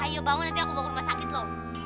ayo bangun nanti aku bawa ke rumah sakit loh